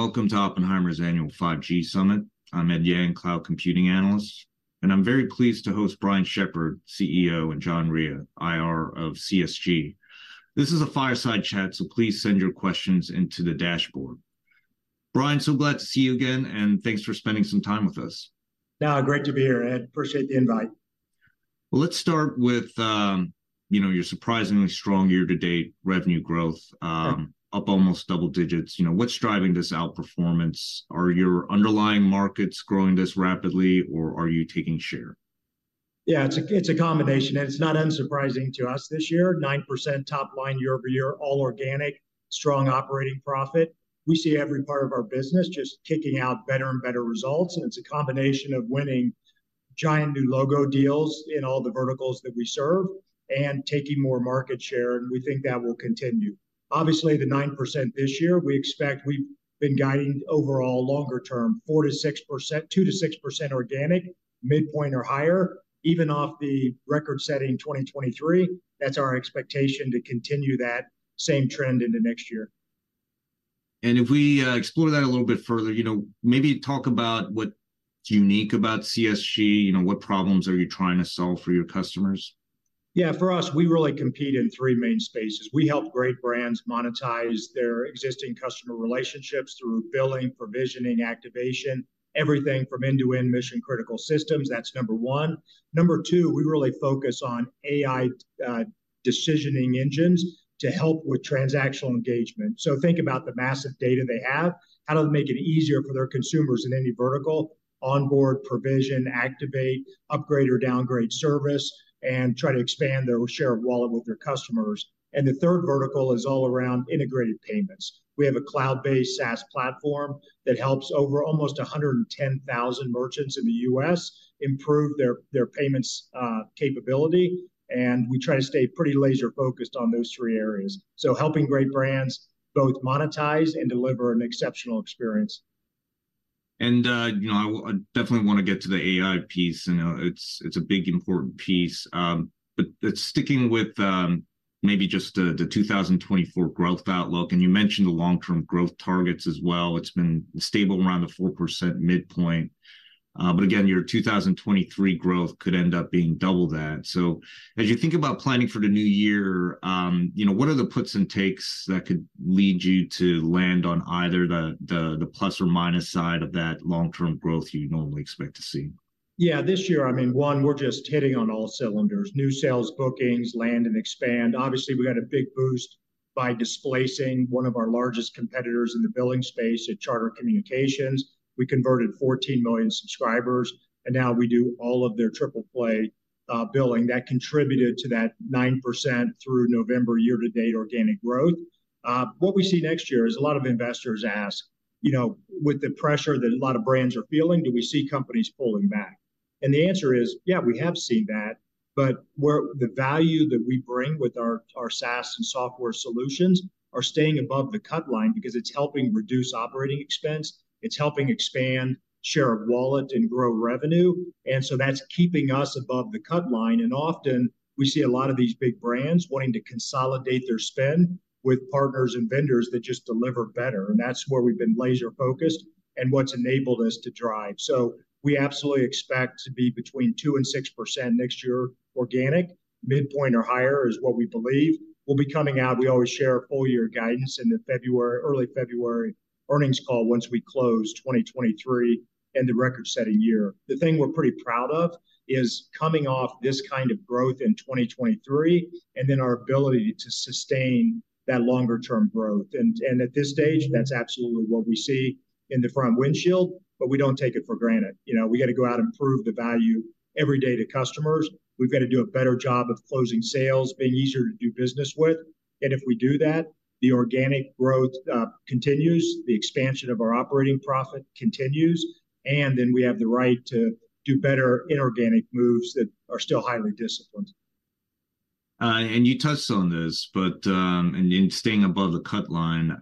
Good morning. Welcome to Oppenheimer's Annual 5G Summit. I'm Ed Yang, cloud computing analyst, and I'm very pleased to host Brian Shepherd, CEO, and John Rea, IR of CSG. This is a fireside chat, so please send your questions into the dashboard. Brian, so glad to see you again, and thanks for spending some time with us. No, great to be here, Ed. Appreciate the invite. Well, let's start with, you know, your surprisingly strong year-to-date revenue growth- Sure ... up almost double digits. You know, what's driving this outperformance? Are your underlying markets growing this rapidly, or are you taking share? Yeah, it's a combination, and it's not unsurprising to us this year, 9% top line year-over-year, all organic, strong operating profit. We see every part of our business just kicking out better and better results, and it's a combination of winning giant new logo deals in all the verticals that we serve and taking more market share, and we think that will continue. Obviously, the 9% this year, we expect. We've been guiding overall longer term, 4%-6%, 2%-6% organic, midpoint or higher, even off the record-setting 2023. That's our expectation to continue that same trend into next year. If we explore that a little bit further, you know, maybe talk about what's unique about CSG. You know, what problems are you trying to solve for your customers? Yeah, for us, we really compete in three main spaces. We help great brands monetize their existing customer relationships through billing, provisioning, activation, everything from end-to-end mission-critical systems. That's number one. Number two, we really focus on AI, decisioning engines to help with transactional engagement. So think about the massive data they have. How do they make it easier for their consumers in any vertical, onboard, provision, activate, upgrade or downgrade service, and try to expand their share of wallet with their customers? And the third vertical is all around integrated payments. We have a cloud-based SaaS platform that helps over almost 110,000 merchants in the U.S. improve their, their payments, capability, and we try to stay pretty laser-focused on those three areas. So helping great brands both monetize and deliver an exceptional experience. You know, I definitely wanna get to the AI piece, and it's a big, important piece. But sticking with maybe just the 2024 growth outlook, and you mentioned the long-term growth targets as well. It's been stable around the 4% midpoint, but again, your 2023 growth could end up being double that. So as you think about planning for the new year, you know, what are the puts and takes that could lead you to land on either the plus or minus side of that long-term growth you'd normally expect to see? Yeah, this year, I mean, one, we're just hitting on all cylinders, new sales, bookings, land, and expand. Obviously, we got a big boost by displacing one of our largest competitors in the billing space at Charter Communications. We converted 14 million subscribers, and now we do all of their triple play billing. That contributed to that 9% through November year-to-date organic growth. What we see next year is a lot of investors ask, you know, "With the pressure that a lot of brands are feeling, do we see companies pulling back?" And the answer is, yeah, we have seen that, but where the value that we bring with our SaaS and software solutions are staying above the cut line because it's helping reduce operating expense, it's helping expand share of wallet and grow revenue, and so that's keeping us above the cut line. And often we see a lot of these big brands wanting to consolidate their spend with partners and vendors that just deliver better, and that's where we've been laser-focused and what's enabled us to drive. So we absolutely expect to be between 2%-6% next year. Organic, midpoint or higher is what we believe will be coming out. We always share our full year guidance in the February, early February earnings call once we close 2023 and the record-setting year. The thing we're pretty proud of is coming off this kind of growth in 2023, and then our ability to sustain that longer-term growth. And at this stage, that's absolutely what we see in the front windshield, but we don't take it for granted. You know, we gotta go out and prove the value every day to customers. We've gotta do a better job of closing sales, being easier to do business with, and if we do that, the organic growth continues, the expansion of our operating profit continues, and then we have the right to do better inorganic moves that are still highly disciplined. And you touched on this, but and in staying above the cut line,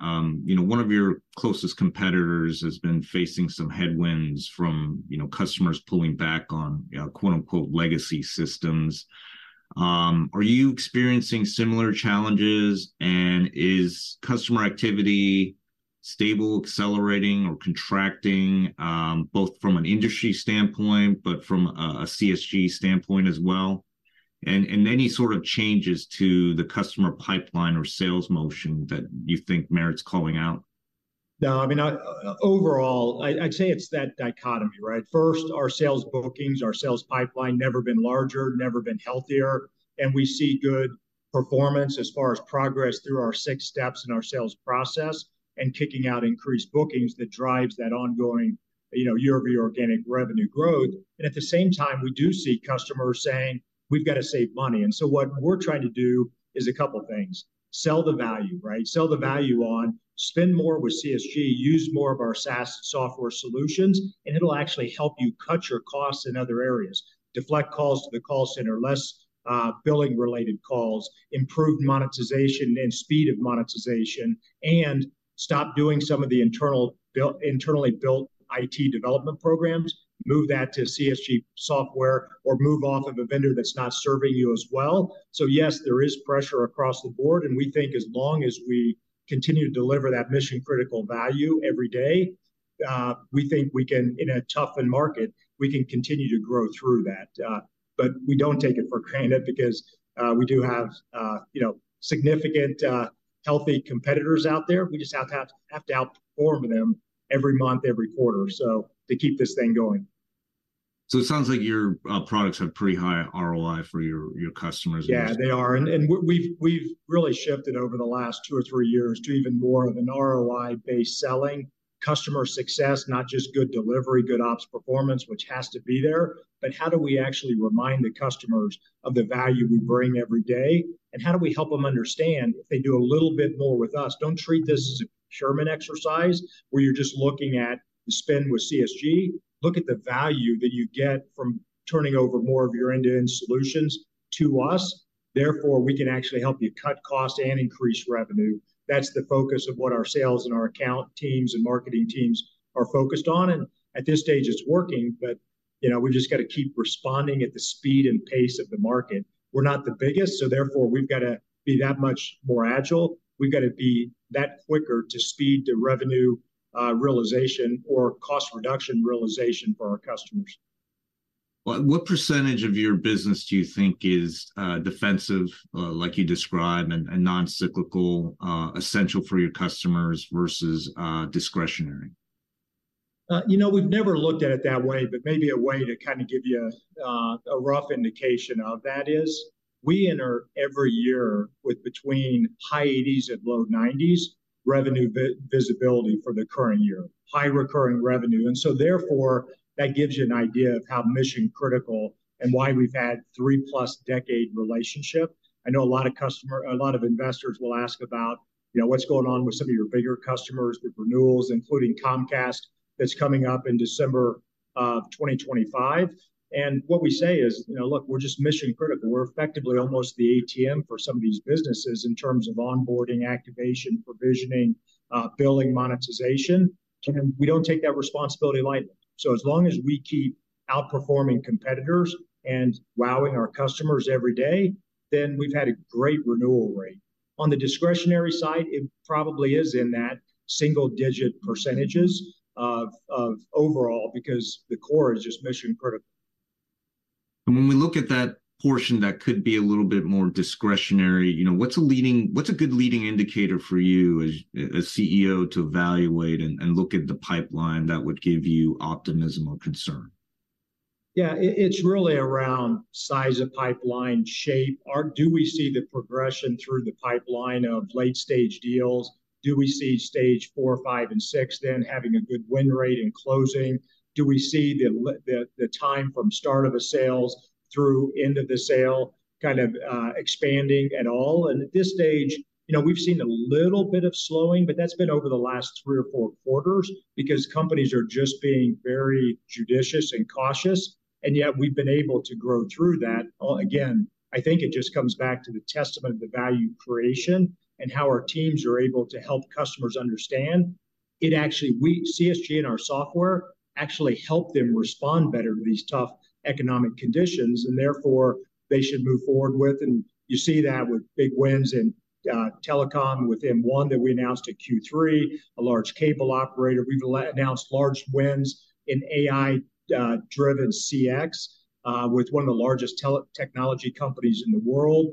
you know, one of your closest competitors has been facing some headwinds from, you know, customers pulling back on, quote unquote, “legacy systems.” Are you experiencing similar challenges, and is customer activity stable, accelerating, or contracting, both from an industry standpoint but from a CSG standpoint as well? And any sort of changes to the customer pipeline or sales motion that you think merits calling out? No, I mean, overall, I'd say it's that dichotomy, right? First, our sales bookings, our sales pipeline never been larger, never been healthier, and we see good performance as far as progress through our six steps in our sales process and kicking out increased bookings that drives that ongoing, you know, year-over-year organic revenue growth. And at the same time, we do see customers saying, "We've gotta save money." And so what we're trying to do is a couple things: Sell the value, right? Sell the value on spend more with CSG, use more of our SaaS software solutions, and it'll actually help you cut your costs in other areas, deflect calls to the call center, less billing-related calls, improve monetization and speed of monetization, and stop doing some of the internal built-internally built IT development programs, move that to CSG software or move off of a vendor that's not serving you as well. So yes, there is pressure across the board, and we think as long as we continue to deliver that mission-critical value every day, we think we can, in a toughened market, we can continue to grow through that. But we don't take it for granted because we do have, you know, significant healthy competitors out there. We just have to, have to outperform them every month, every quarter, so to keep this thing going.... So it sounds like your products have pretty high ROI for your customers? Yeah, they are. And, and we've, we've really shifted over the last two or three years to even more of an ROI-based selling. Customer success, not just good delivery, good ops performance, which has to be there, but how do we actually remind the customers of the value we bring every day? And how do we help them understand if they do a little bit more with us, don't treat this as a Sherman exercise, where you're just looking at the spend with CSG. Look at the value that you get from turning over more of your end-to-end solutions to us, therefore, we can actually help you cut costs and increase revenue. That's the focus of what our sales and our account teams and marketing teams are focused on, and at this stage, it's working, but, you know, we've just got to keep responding at the speed and pace of the market. We're not the biggest, so therefore, we've got to be that much more agile. We've got to be that quicker to speed to revenue, realization or cost reduction realization for our customers. What, what percentage of your business do you think is, defensive, like you describe, and, and non-cyclical, essential for your customers versus, discretionary? You know, we've never looked at it that way, but maybe a way to kind of give you a rough indication of that is, we enter every year with between high 80s and low 90s revenue visibility for the current year, high recurring revenue. And so therefore, that gives you an idea of how mission-critical and why we've had three-plus decade relationship. I know a lot of investors will ask about, you know, what's going on with some of your bigger customers, with renewals, including Comcast, that's coming up in December 2025. And what we say is, "You know, look, we're just mission-critical." We're effectively almost the ATM for some of these businesses in terms of onboarding, activation, provisioning, billing, monetization, and we don't take that responsibility lightly. So as long as we keep outperforming competitors and wowing our customers every day, then we've had a great renewal rate. On the discretionary side, it probably is in that single-digit percentages of overall, because the core is just mission-critical. When we look at that portion, that could be a little bit more discretionary, you know, what's a good leading indicator for you as a CEO to evaluate and look at the pipeline that would give you optimism or concern? Yeah, it's really around size of pipeline shape. Do we see the progression through the pipeline of late-stage deals? Do we see stage four, five, and six then having a good win rate in closing? Do we see the time from start of a sales through end of the sale kind of expanding at all? And at this stage, you know, we've seen a little bit of slowing, but that's been over the last three or four quarters because companies are just being very judicious and cautious, and yet we've been able to grow through that. Well, again, I think it just comes back to the testament of the value creation and how our teams are able to help customers understand it actually. We, CSG and our software, actually help them respond better to these tough economic conditions, and therefore, they should move forward with. And you see that with big wins in telecom, with M1 that we announced at Q3, a large cable operator. We've announced large wins in AI-driven CX with one of the largest technology companies in the world.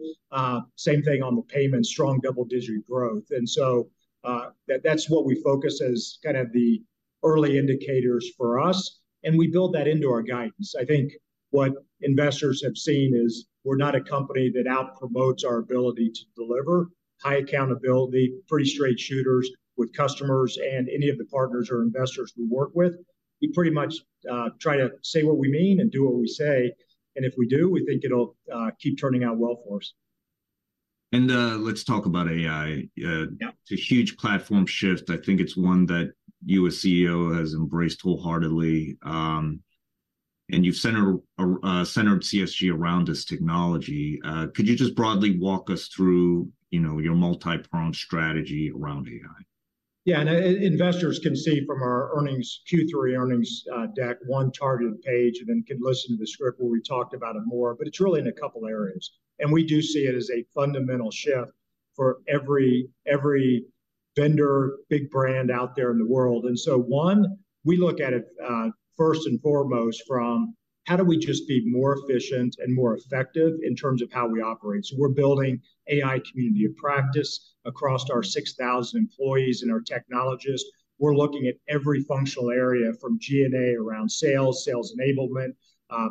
Same thing on the payment, strong double-digit growth. And so, that, that's what we focus as kind of the early indicators for us, and we build that into our guidance. I think what investors have seen is we're not a company that overpromises our ability to deliver high accountability, pretty straight shooters with customers and any of the partners or investors we work with. We pretty much try to say what we mean and do what we say, and if we do, we think it'll keep turning out well for us. Let's talk about AI. Yeah. It's a huge platform shift. I think it's one that you as CEO has embraced wholeheartedly. And you've centered CSG around this technology. Could you just broadly walk us through, you know, your multi-pronged strategy around AI? Yeah, and investors can see from our earnings, Q3 earnings, deck one targeted page, and then can listen to the script where we talked about it more, but it's really in a couple areas. We do see it as a fundamental shift for every vendor, big brand out there in the world. So one, we look at it first and foremost from how do we just be more efficient and more effective in terms of how we operate? We're building AI community of practice across our 6,000 employees and our technologists. We're looking at every functional area from G&A around sales, sales enablement,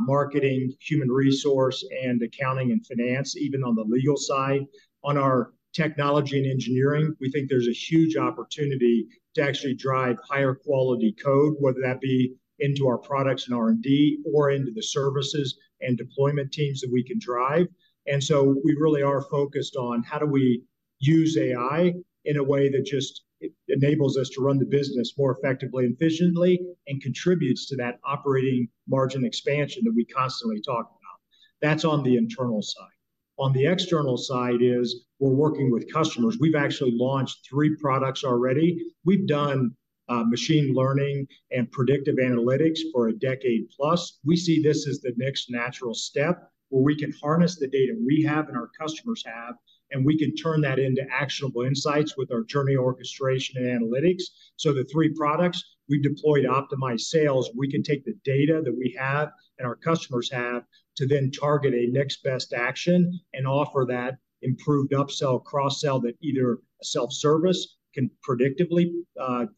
marketing, human resource, and accounting and finance, even on the legal side. On our technology and engineering, we think there's a huge opportunity to actually drive higher quality code, whether that be into our products and R&D or into the services and deployment teams that we can drive. And so we really are focused on how do we use AI in a way that just enables us to run the business more effectively and efficiently, and contributes to that operating margin expansion that we constantly talk about. That's on the internal side. On the external side is we're working with customers. We've actually launched three products already. We've done machine learning and predictive analytics for a decade plus. We see this as the next natural step, where we can harness the data we have and our customers have, and we can turn that into actionable insights with our journey, orchestration, and analytics. So the three products we've deployed optimize sales. We can take the data that we have and our customers have, to then target a next best action and offer that improved upsell, cross-sell, that either a self-service can predictably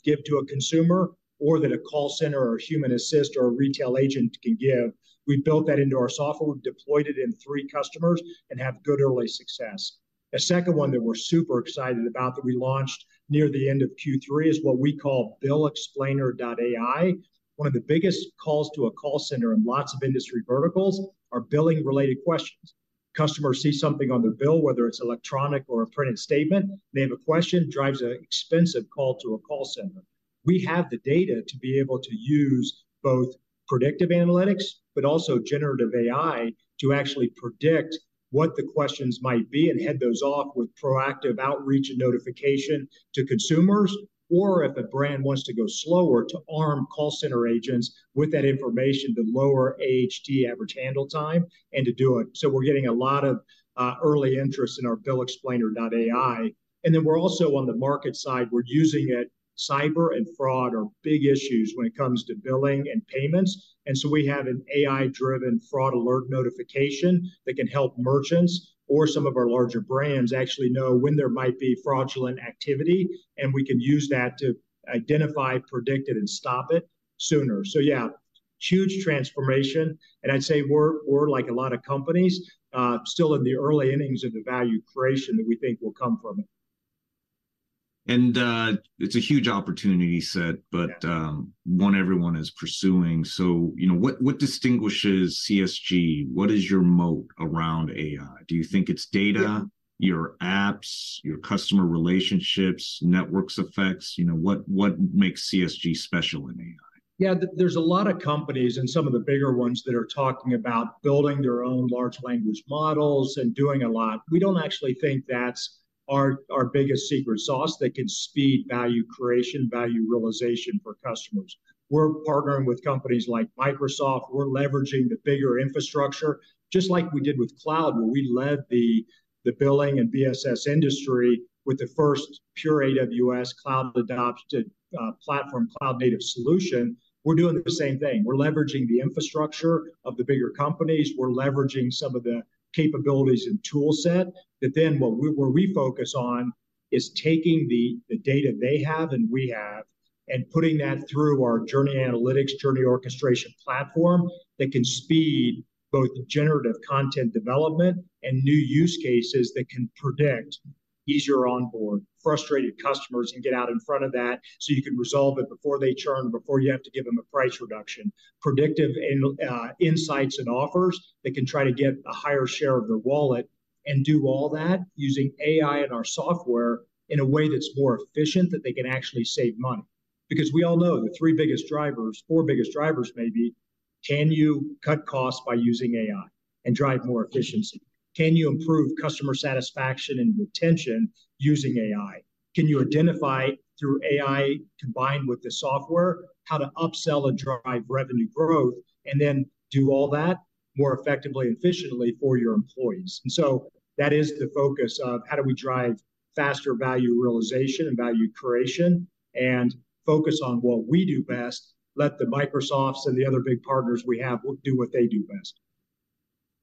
give to a consumer, or that a call center, or a human assist, or a retail agent can give. We built that into our software. We've deployed it in three customers and have good early success. A second one that we're super excited about that we launched near the end of Q3 is what we call Bill Explainer AI. One of the biggest calls to a call center in lots of industry verticals are billing-related questions... Customers see something on their bill, whether it's electronic or a printed statement, they have a question, drives an expensive call to a call center. We have the data to be able to use both predictive analytics, but also generative AI, to actually predict what the questions might be and head those off with proactive outreach and notification to consumers. Or if a brand wants to go slower, to arm call center agents with that information to lower AHT, Average Handle Time, and to do it. So we're getting a lot of early interest in our Bill Explainer AI. And then we're also, on the market side, we're using it. Cyber and fraud are big issues when it comes to billing and payments, and so we have an AI-driven fraud alert notification that can help merchants or some of our larger brands actually know when there might be fraudulent activity, and we can use that to identify, predict it, and stop it sooner. Yeah, huge transformation, and I'd say we're like a lot of companies still in the early innings of the value creation that we think will come from it. It's a huge opportunity set- Yeah... but, one everyone is pursuing. So, you know, what distinguishes CSG? What is your moat around AI? Do you think it's data- Yeah... your apps, your customer relationships, network effects? You know, what, what makes CSG special in AI? Yeah, there, there's a lot of companies, and some of the bigger ones, that are talking about building their own large language models and doing a lot. We don't actually think that's our, our biggest secret sauce that can speed value creation, value realization for customers. We're partnering with companies like Microsoft. We're leveraging the bigger infrastructure, just like we did with cloud, where we led the billing and BSS industry with the first pure AWS cloud-adopted platform, cloud-native solution. We're doing the same thing. We're leveraging the infrastructure of the bigger companies. We're leveraging some of the capabilities and tool set, that. Then what we focus on is taking the data they have and we have, and putting that through our journey analytics, journey orchestration platform, that can speed both generative content development and new use cases that can predict easier onboard, frustrated customers, and get out in front of that, so you can resolve it before they churn, before you have to give them a price reduction. Predictive analytics insights and offers that can try to get a higher share of their wallet, and do all that using AI and our software in a way that's more efficient, that they can actually save money. Because we all know the three biggest drivers, four biggest drivers may be: Can you cut costs by using AI and drive more efficiency? Can you improve customer satisfaction and retention using AI? Can you identify, through AI combined with the software, how to upsell and drive revenue growth, and then do all that more effectively and efficiently for your employees? And so that is the focus of how do we drive faster value realization and value creation, and focus on what we do best. Let the Microsofts and the other big partners we have, do what they do best.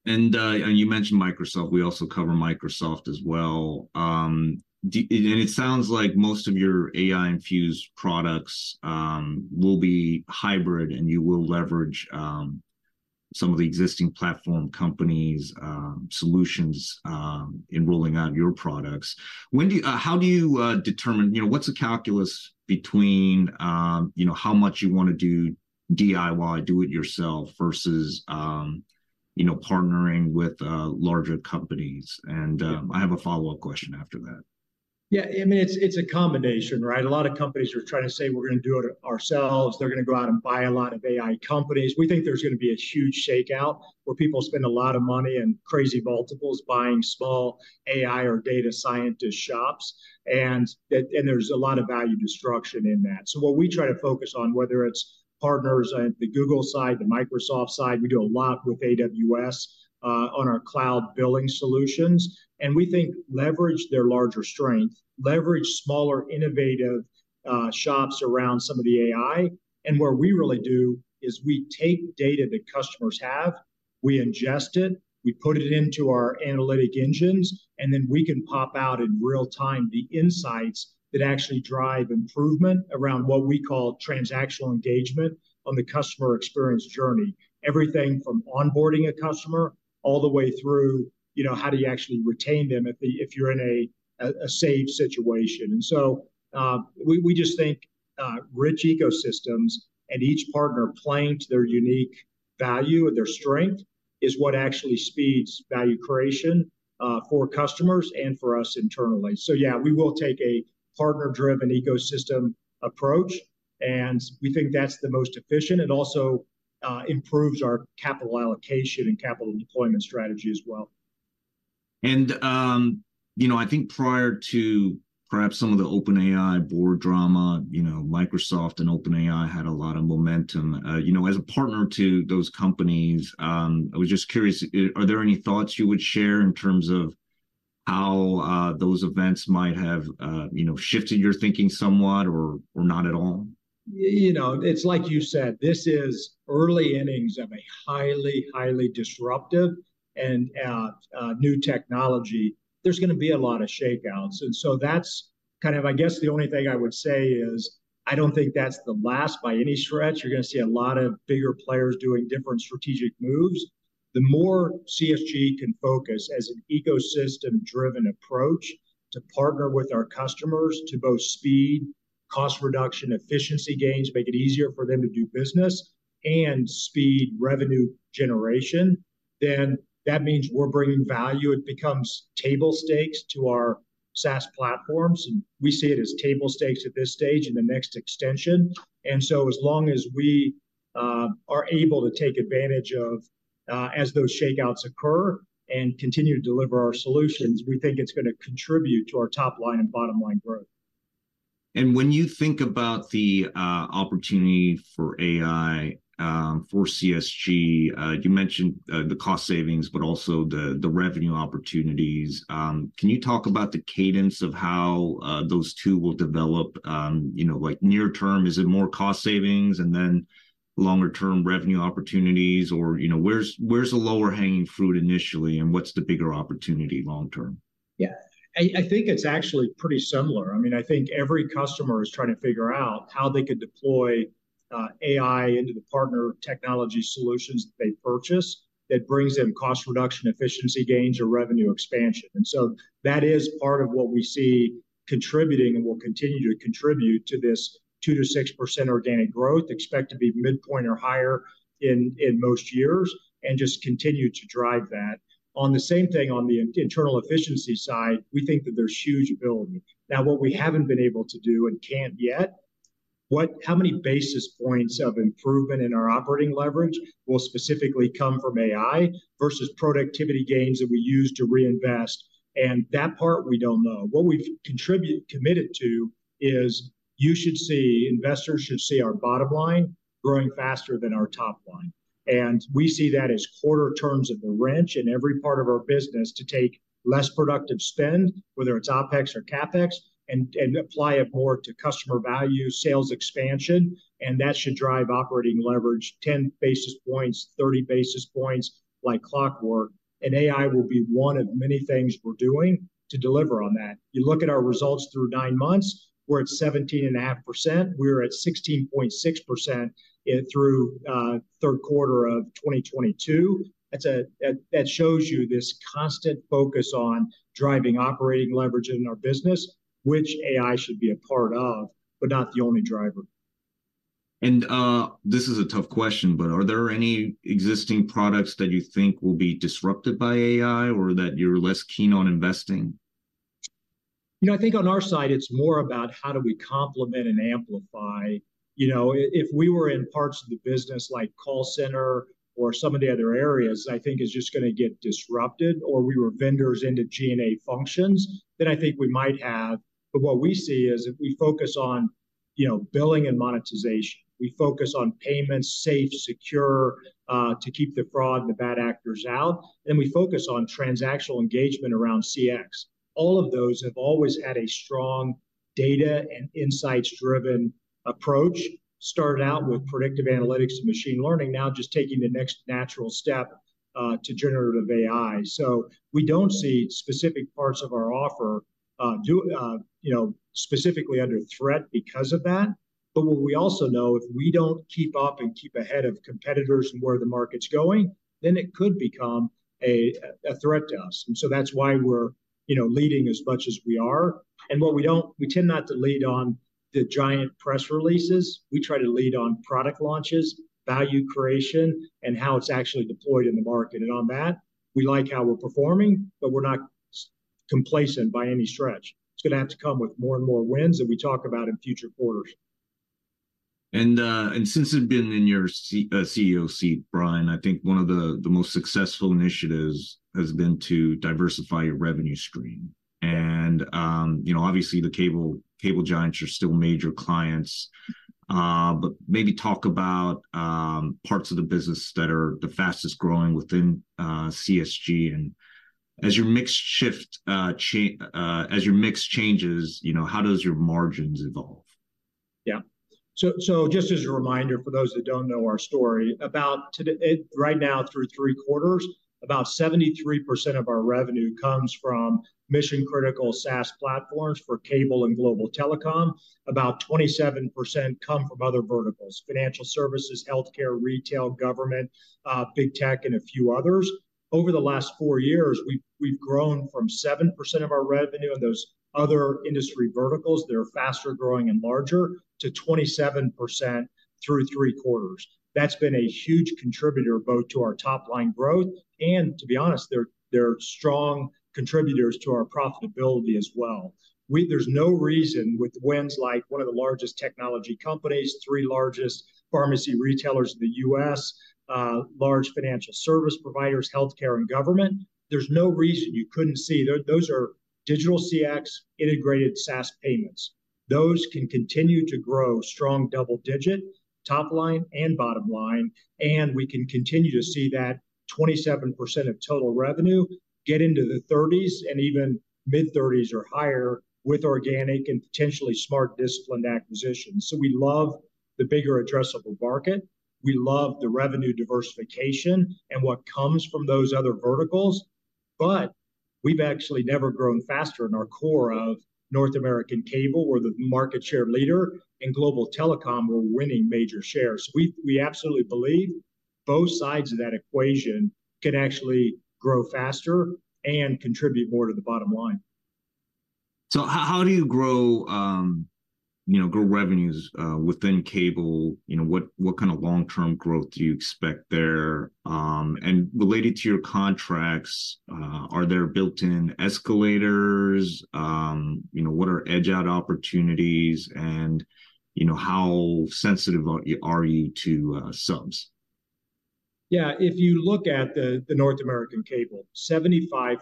And, and you mentioned Microsoft. We also cover Microsoft as well. And it sounds like most of your AI-infused products, will be hybrid, and you will leverage, some of the existing platform companies', solutions, in rolling out your products. When do, how do you, determine... You know, what's the calculus between, you know, how much you want to do DIY, do it yourself, versus, you know, partnering with, larger companies? Yeah. I have a follow-up question after that. Yeah, I mean, it's, it's a combination, right? A lot of companies are trying to say, "We're gonna do it ourselves." They're gonna go out and buy a lot of AI companies. We think there's gonna be a huge shakeout, where people spend a lot of money and crazy multiples buying small AI or data scientist shops, and that, and there's a lot of value destruction in that. So what we try to focus on, whether it's partners on the Google side, the Microsoft side, we do a lot with AWS, on our cloud billing solutions. And we think leverage their larger strength, leverage smaller, innovative, shops around some of the AI. What we really do is we take data that customers have, we ingest it, we put it into our analytic engines, and then we can pop out in real time the insights that actually drive improvement around what we call transactional engagement on the customer experience journey. Everything from onboarding a customer all the way through, you know, how do you actually retain them if you're in a SaaS situation? And so, we just think rich ecosystems and each partner playing to their unique value and their strength is what actually speeds value creation for customers and for us internally. So yeah, we will take a partner-driven ecosystem approach, and we think that's the most efficient. It also improves our capital allocation and capital deployment strategy as well. You know, I think prior to perhaps some of the OpenAI board drama, you know, Microsoft and OpenAI had a lot of momentum. You know, as a partner to those companies, I was just curious, are there any thoughts you would share in terms of how those events might have, you know, shifted your thinking somewhat or, or not at all? You know, it's like you said, this is early innings of a highly, highly disruptive and new technology. There's gonna be a lot of shakeouts, and so that's kind of... I guess the only thing I would say is, I don't think that's the last by any stretch. You're gonna see a lot of bigger players doing different strategic moves. The more CSG can focus as an ecosystem-driven approach to partner with our customers to both speed, cost reduction, efficiency gains, make it easier for them to do business and speed revenue generation-... then that means we're bringing value. It becomes table stakes to our SaaS platforms, and we see it as table stakes at this stage in the next extension. And so as long as we are able to take advantage of as those shakeouts occur and continue to deliver our solutions, we think it's gonna contribute to our top line and bottom line growth. When you think about the opportunity for AI for CSG, you mentioned the cost savings but also the revenue opportunities. Can you talk about the cadence of how those two will develop? You know, like near term, is it more cost savings and then longer-term revenue opportunities? Or, you know, where's the lower-hanging fruit initially, and what's the bigger opportunity long term? Yeah. I think it's actually pretty similar. I mean, I think every customer is trying to figure out how they could deploy AI into the partner technology solutions that they purchase that brings them cost reduction, efficiency gains, or revenue expansion. And so that is part of what we see contributing and will continue to contribute to this 2%-6% organic growth, expect to be midpoint or higher in most years, and just continue to drive that. On the same thing, on the internal efficiency side, we think that there's huge ability. Now, what we haven't been able to do and can't yet, what how many basis points of improvement in our operating leverage will specifically come from AI versus productivity gains that we use to reinvest? And that part, we don't know. What we've committed to is you should see, investors should see our bottom line growing faster than our top line. And we see that as quarter turns of the wrench in every part of our business to take less productive spend, whether it's OpEx or CapEx, and apply it more to customer value, sales expansion, and that should drive operating leverage 10 basis points, 30 basis points like clockwork. And AI will be one of many things we're doing to deliver on that. You look at our results through nine months, we're at 17.5%. We're at 16.6% in, through, Q3 of 2022. That shows you this constant focus on driving operating leverage in our business, which AI should be a part of, but not the only driver. This is a tough question, but are there any existing products that you think will be disrupted by AI or that you're less keen on investing? You know, I think on our side, it's more about how do we complement and amplify. You know, if we were in parts of the business like call center or some of the other areas, I think is just gonna get disrupted, or we were vendors into G&A functions, then I think we might have. But what we see is if we focus on, you know, billing and monetization, we focus on payments, safe, secure, to keep the fraud and the bad actors out, then we focus on transactional engagement around CX. All of those have always had a strong data and insights-driven approach, started out with predictive analytics and machine learning, now just taking the next natural step, to generative AI. So we don't see specific parts of our offer, you know, specifically under threat because of that. But what we also know, if we don't keep up and keep ahead of competitors and where the market's going, then it could become a threat to us. And so that's why we're, you know, leading as much as we are. And what we don't... We tend not to lead on the giant press releases. We try to lead on product launches, value creation, and how it's actually deployed in the market. And on that, we like how we're performing, but we're not complacent by any stretch. It's gonna have to come with more and more wins that we talk about in future quarters. Since you've been in your CEO seat, Brian, I think one of the most successful initiatives has been to diversify your revenue stream. You know, obviously, the cable giants are still major clients. But maybe talk about parts of the business that are the fastest-growing within CSG. As your mix changes, you know, how does your margins evolve? Yeah. So, just as a reminder, for those that don't know our story, about today, right now, through three quarters, about 73% of our revenue comes from mission-critical SaaS platforms for cable and global telecom. About 27% come from other verticals: financial services, healthcare, retail, government, big tech, and a few others. Over the last four years, we've grown from 7% of our revenue and those other industry verticals that are faster-growing and larger, to 27% through three quarters. That's been a huge contributor both to our top-line growth, and to be honest, they're strong contributors to our profitability as well. We... There's no reason with wins like one of the largest technology companies, three largest pharmacy retailers in the U.S., large financial service providers, healthcare, and government, there's no reason you couldn't see. Those, those are digital CX, integrated SaaS payments. Those can continue to grow strong double-digit, top line and bottom line, and we can continue to see that 27% of total revenue get into the 30s and even mid-30s or higher with organic and potentially smart, disciplined acquisitions. So we love the bigger addressable market, we love the revenue diversification and what comes from those other verticals, but we've actually never grown faster in our core of North American cable, where the market share leader and global telecom were winning major shares. We, we absolutely believe both sides of that equation can actually grow faster and contribute more to the bottom line.... So how do you grow, you know, grow revenues within cable? You know, what kind of long-term growth do you expect there? And related to your contracts, are there built-in escalators? You know, what are edge-out opportunities? And, you know, how sensitive are you to subs? Yeah, if you look at the, the North American cable, 75%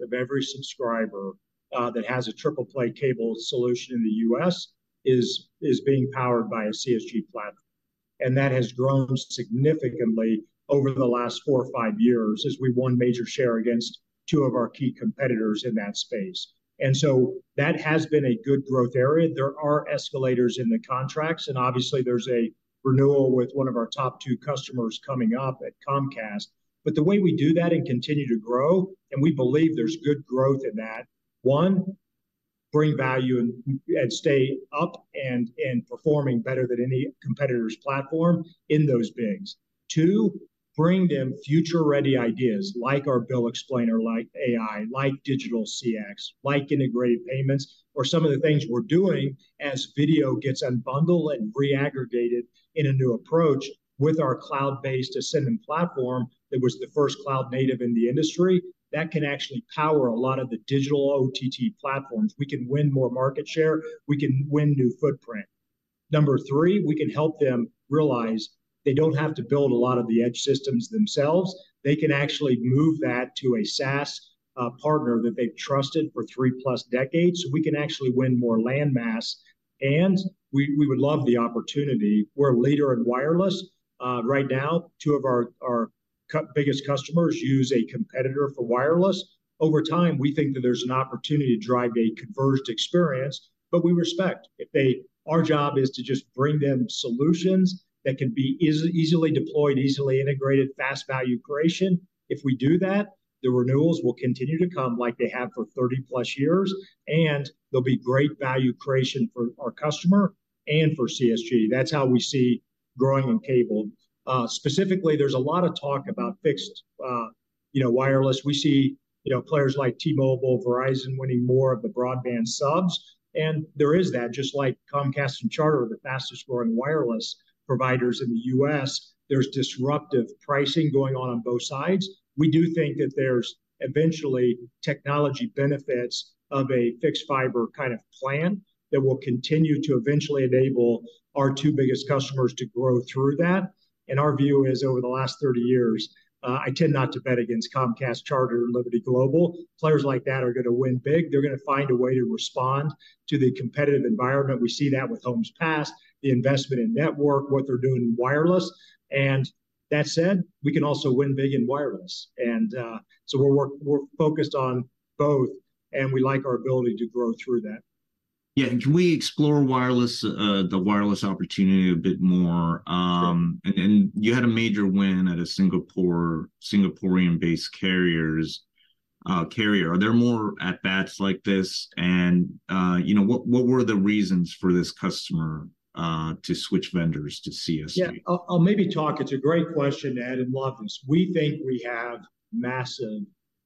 of every subscriber that has a triple-play cable solution in the U.S. is being powered by a CSG platform. And that has grown significantly over the last four or five years as we won major share against two of our key competitors in that space. And so that has been a good growth area. There are escalators in the contracts, and obviously there's a renewal with one of our top two customers coming up at Comcast. But the way we do that and continue to grow, and we believe there's good growth in that, one, bring value and stay up and performing better than any competitor's platform in those bids. 2, bring them future-ready ideas like our Bill Explainer, like AI, like digital CX, like integrated payments, or some of the things we're doing as video gets unbundled and reaggregated in a new approach with our cloud-based Ascendon platform that was the first cloud-native in the industry. That can actually power a lot of the digital OTT platforms. We can win more market share. We can win new footprint. Number three, we can help them realize they don't have to build a lot of the edge systems themselves. They can actually move that to a SaaS partner that they've trusted for three plus decades. We can actually win more landmass, and we would love the opportunity. We're a leader in wireless. Right now, two of our biggest customers use a competitor for wireless. Over time, we think that there's an opportunity to drive a converged experience, but we respect. If they—our job is to just bring them solutions that can be easily deployed, easily integrated, fast value creation. If we do that, the renewals will continue to come like they have for 30+ years, and there'll be great value creation for our customer and for CSG. That's how we see growing in cable. Specifically, there's a lot of talk about fixed, you know, wireless. We see, you know, players like T-Mobile, Verizon winning more of the broadband subs, and there is that, just like Comcast and Charter are the fastest-growing wireless providers in the U.S., there's disruptive pricing going on on both sides. We do think that there's eventually technology benefits of a fixed fiber kind of plan that will continue to eventually enable our two biggest customers to grow through that. Our view is, over the last 30 years, I tend not to bet against Comcast, Charter, and Liberty Global. Players like that are gonna win big. They're gonna find a way to respond to the competitive environment. We see that with homes passed, the investment in network, what they're doing in wireless. And that said, we can also win big in wireless. So we're focused on both, and we like our ability to grow through that. Yeah, can we explore wireless, the wireless opportunity a bit more? Sure. You had a major win at a Singapore, Singaporean-based carrier. Are there more at bats like this? And, you know, what were the reasons for this customer to switch vendors to CSG? Yeah. I'll maybe talk... It's a great question, Ed, and I love this. We think we have massive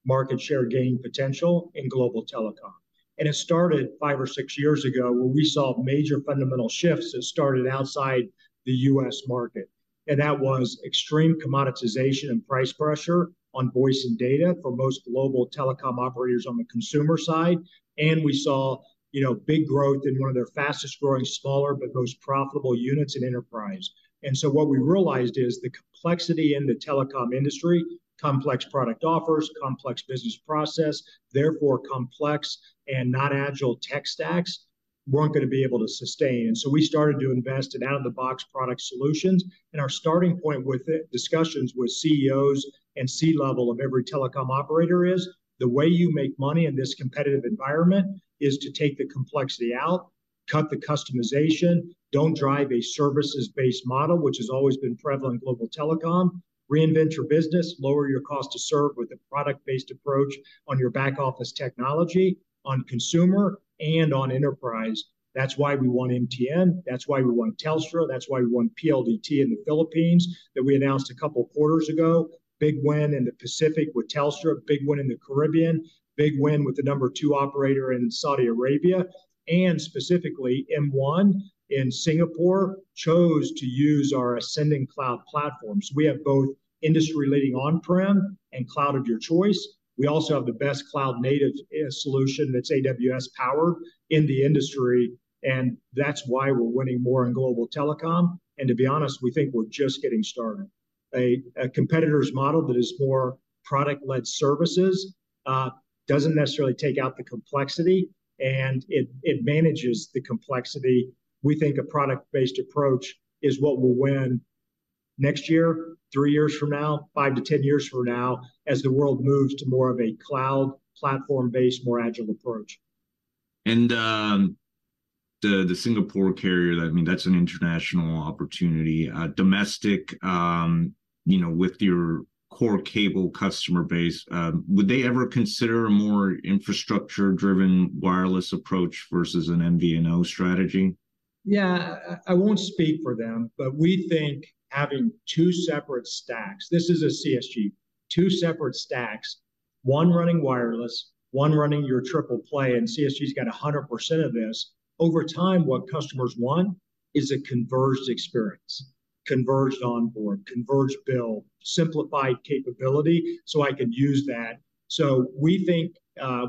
market share gain potential in global telecom, and it started five or six years ago, where we saw major fundamental shifts that started outside the U.S. market. And that was extreme commoditization and price pressure on voice and data for most global telecom operators on the consumer side, and we saw, you know, big growth in one of their fastest-growing, smaller, but most profitable units in enterprise. And so what we realized is the complexity in the telecom industry, complex product offers, complex business process, therefore, complex and not agile tech stacks, weren't gonna be able to sustain. So we started to invest in out-of-the-box product solutions, and our starting point with the discussions with CEOs and C-level of every telecom operator is, the way you make money in this competitive environment is to take the complexity out, cut the customization, don't drive a services-based model, which has always been prevalent in global telecom, reinvent your business, lower your cost to serve with a product-based approach on your back office technology, on consumer, and on enterprise. That's why we won MTN, that's why we won Telstra, that's why we won PLDT in the Philippines, that we announced a couple quarters ago. Big win in the Pacific with Telstra, big win in the Caribbean, big win with the number two operator in Saudi Arabia. And specifically, M1 in Singapore chose to use our Ascendon Cloud platforms. We have both industry-leading on-prem and cloud of your choice. We also have the best cloud-native solution that's AWS-powered in the industry, and that's why we're winning more in global telecom. And to be honest, we think we're just getting started. A competitor's model that is more product-led services doesn't necessarily take out the complexity, and it manages the complexity. We think a product-based approach is what will win next year, three years from now, five to 10 years from now, as the world moves to more of a cloud, platform-based, more agile approach. And, the Singapore carrier, I mean, that's an international opportunity. Domestic, you know, with your core cable customer base, would they ever consider a more infrastructure-driven wireless approach versus an MVNO strategy? ... Yeah, I won't speak for them, but we think having two separate stacks, this is a CSG, two separate stacks, one running wireless, one running your triple play, and CSG's got 100% of this. Over time, what customers want is a converged experience, converged onboard, converged bill, simplified capability, so I could use that. So we think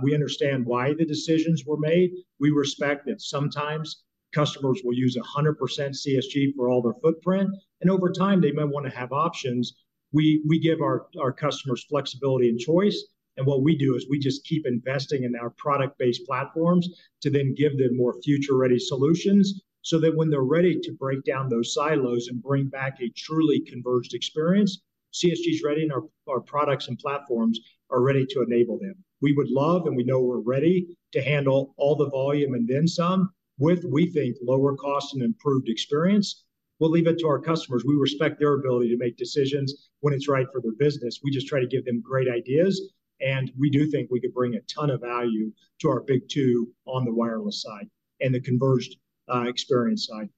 we understand why the decisions were made. We respect that sometimes customers will use 100% CSG for all their footprint, and over time, they might wanna have options. We give our customers flexibility and choice, and what we do is we just keep investing in our product-based platforms to then give them more future-ready solutions, so that when they're ready to break down those silos and bring back a truly converged experience, CSG's ready, and our products and platforms are ready to enable them. We would love, and we know we're ready to handle all the volume and then some, with we think lower cost and improved experience. We'll leave it to our customers. We respect their ability to make decisions when it's right for their business. We just try to give them great ideas, and we do think we could bring a ton of value to our big two on the wireless side and the converged experience side.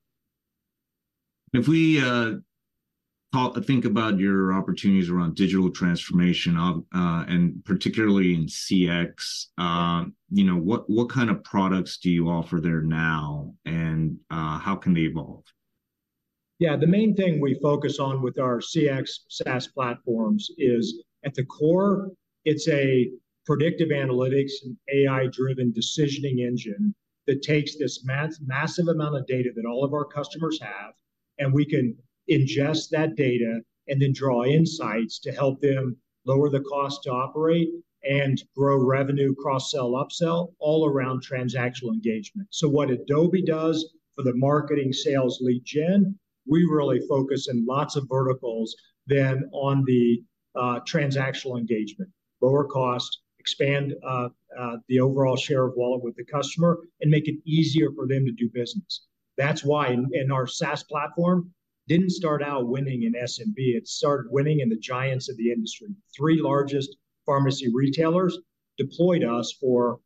If we think about your opportunities around digital transformation, and particularly in CX, you know, what kind of products do you offer there now, and how can they evolve? Yeah, the main thing we focus on with our CX SaaS platforms is, at the core, it's a predictive analytics and AI-driven decisioning engine that takes this massive amount of data that all of our customers have, and we can ingest that data and then draw insights to help them lower the cost to operate and grow revenue, cross-sell, upsell, all around transactional engagement. So what Adobe does for the marketing sales lead gen, we really focus in lots of verticals than on the transactional engagement. Lower cost, expand the overall share of wallet with the customer, and make it easier for them to do business. That's why... and our SaaS platform didn't start out winning in SMB, it started winning in the giants of the industry. Three largest pharmacy retailers deployed us for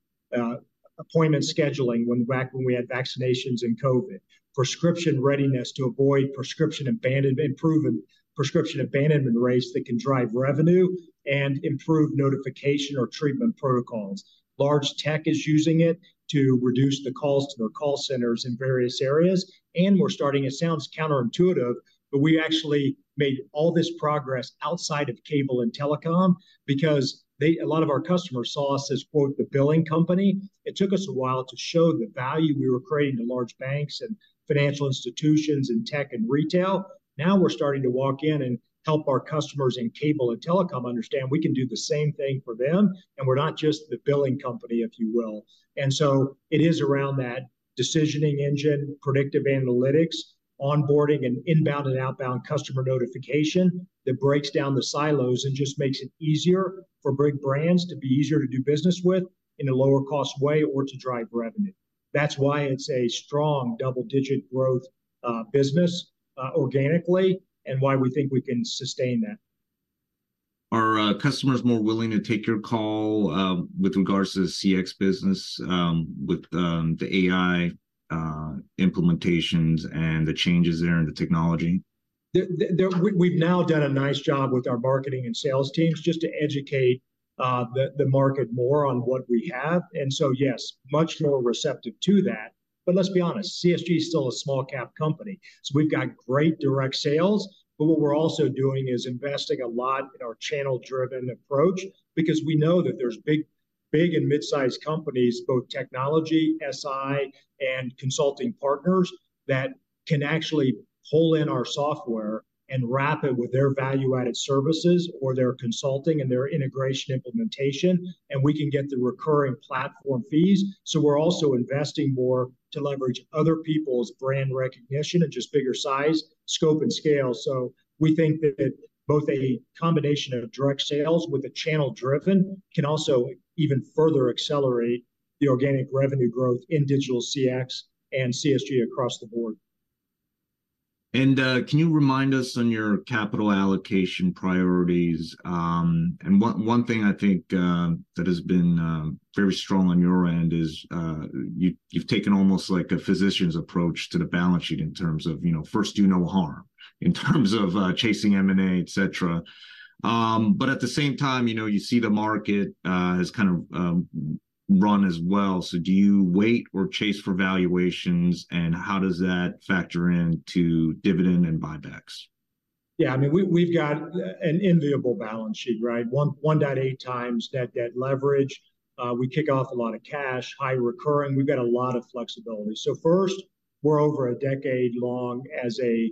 appointment scheduling back when we had vaccinations in COVID. Prescription readiness to avoid prescription abandon, improve, and prescription abandonment rates that can drive revenue and improve notification or treatment protocols. Large tech is using it to reduce the calls to their call centers in various areas, and we're starting, it sounds counterintuitive, but we actually made all this progress outside of cable and telecom because they, a lot of our customers saw us as, quote, "the billing company." It took us a while to show the value we were creating to large banks and financial institutions and tech and retail. Now we're starting to walk in and help our customers in cable and telecom understand we can do the same thing for them, and we're not just the billing company, if you will. It is around that decisioning engine, predictive analytics, onboarding, and inbound and outbound customer notification that breaks down the silos and just makes it easier for big brands to be easier to do business with in a lower cost way or to drive revenue. That's why it's a strong double-digit growth, business, organically, and why we think we can sustain that. Are customers more willing to take your call with regards to the CX business with the AI implementations and the changes there in the technology? We've now done a nice job with our marketing and sales teams just to educate the market more on what we have, and so yes, much more receptive to that. But let's be honest, CSG is still a small-cap company. So we've got great direct sales, but what we're also doing is investing a lot in our channel-driven approach because we know that there's big, big and mid-sized companies, both technology, SI, and consulting partners, that can actually pull in our software and wrap it with their value-added services or their consulting and their integration implementation, and we can get the recurring platform fees. So we're also investing more to leverage other people's brand recognition and just bigger size, scope, and scale. We think that both a combination of direct sales with a channel-driven can also even further accelerate the organic revenue growth in digital CX and CSG across the board. Can you remind us on your capital allocation priorities? And one thing I think that has been very strong on your end is, you've taken almost like a physician's approach to the balance sheet in terms of, you know, first, do no harm, in terms of chasing M&A, et cetera. But at the same time, you know, you see the market has kind of run as well. So do you wait or chase for valuations, and how does that factor in to dividend and buybacks? Yeah, I mean, we, we've got an enviable balance sheet, right? 1.8 times net debt leverage. We kick off a lot of cash, high recurring, we've got a lot of flexibility. So first, we're over a decade long as a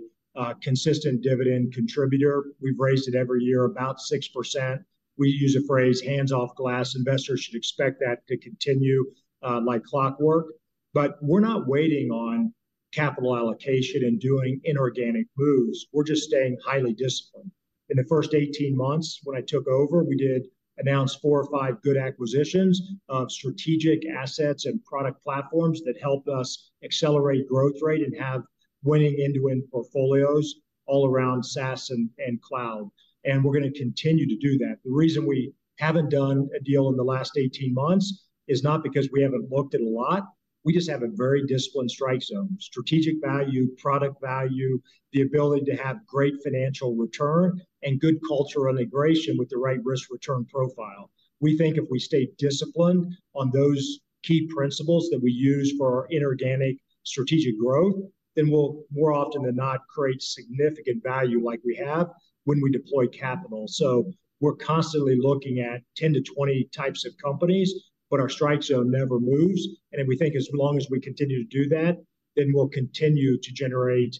consistent dividend contributor. We've raised it every year, about 6%. We use the phrase, "Hands-off glass." Investors should expect that to continue like clockwork. But we're not waiting on capital allocation and doing inorganic moves. We're just staying highly disciplined. In the first 18 months when I took over, we did announce 4 or 5 good acquisitions of strategic assets and product platforms that help us accelerate growth rate and have winning end-to-end portfolios all around SaaS and cloud, and we're gonna continue to do that. The reason we haven't done a deal in the last 18 months is not because we haven't looked at a lot, we just have a very disciplined strike zone: strategic value, product value, the ability to have great financial return, and good cultural integration with the right risk-return profile. We think if we stay disciplined on those key principles that we use for our inorganic strategic growth, then we'll more often than not create significant value like we have when we deploy capital. So we're constantly looking at 10-20 types of companies, but our strike zone never moves, and we think as long as we continue to do that, then we'll continue to generate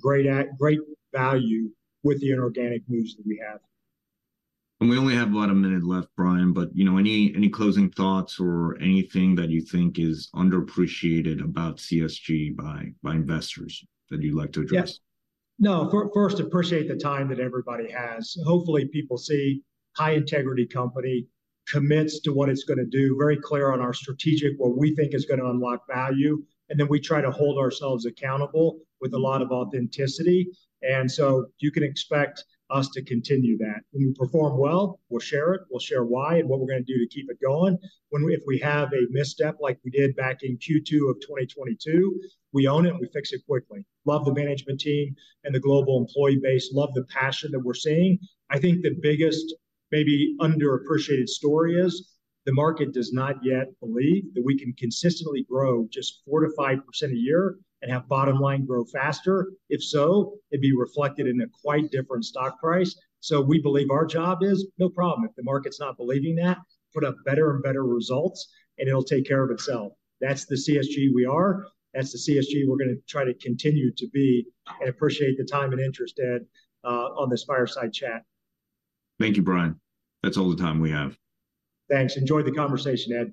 great value with the inorganic moves that we have. We only have about a minute left, Brian, but, you know, any, any closing thoughts or anything that you think is underappreciated about CSG by, by investors that you'd like to address? Yeah. No, first, appreciate the time that everybody has. Hopefully, people see high-integrity company commits to what it's gonna do, very clear on our strategic, what we think is gonna unlock value, and then we try to hold ourselves accountable with a lot of authenticity, and so you can expect us to continue that. When we perform well, we'll share it, we'll share why and what we're gonna do to keep it going. When we... If we have a misstep like we did back in Q2 of 2022, we own it, and we fix it quickly. Love the management team and the global employee base. Love the passion that we're seeing. I think the biggest, maybe underappreciated story is the market does not yet believe that we can consistently grow just 4%-5% a year and have bottom line grow faster. If so, it'd be reflected in a quite different stock price. So we believe our job is, no problem, if the market's not believing that, put up better and better results, and it'll take care of itself. That's the CSG we are. That's the CSG we're gonna try to continue to be, and appreciate the time and interest, Ed, on this fireside chat. Thank you, Brian. That's all the time we have. Thanks. Enjoyed the conversation, Ed.